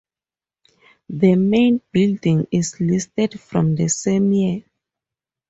The main building is listed from the same year.